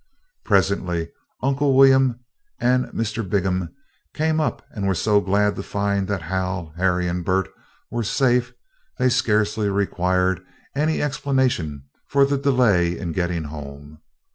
Presently Uncle William and Mr. Bingham came up, and were so glad to find that Hal, Harry, and Bert were safe, they scarcely required any explanation for the delay in getting home.